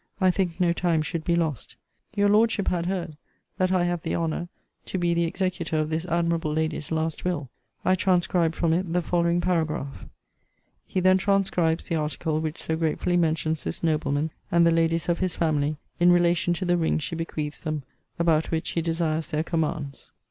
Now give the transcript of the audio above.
I think no time should be lost. Your Lordship had head that I have the honour to be the executor of this admirable lady's last will. I transcribe from it the following paragraph. [He then transcribes the article which so gratefully mentions this nobleman, and the ladies of his family, in relation to the rings she bequeaths them, about which he desires their commands.